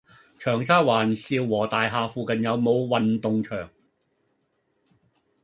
長沙灣肇如大廈附近有無運動場？